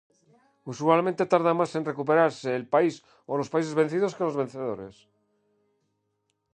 Usualmente tarda más en recuperarse el país o los países vencidos que los vencedores.